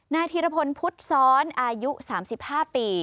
ธีรพลพุทธซ้อนอายุ๓๕ปี